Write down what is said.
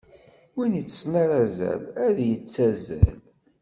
Win yeṭṭsen ar azal, ad d-yettazzal.